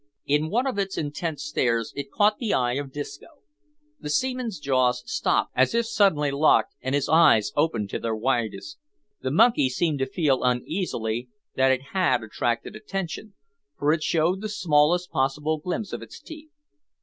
In one of its intent stares it caught the eye of Disco. The seaman's jaws stopped, as if suddenly locked, and his eyes opened to their widest. The monkey seemed to feel uneasily that it had attracted attention, for it showed the smallest possible glimpse of its teeth.